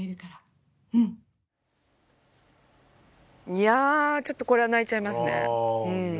いやあちょっとこれは泣いちゃいますね。